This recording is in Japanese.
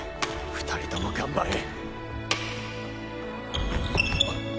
２人とも頑張れ。